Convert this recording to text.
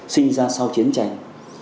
sinh ra sau chiến tranh